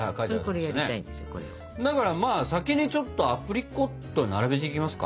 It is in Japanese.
だからまあ先にちょっとアプリコット並べていきますか。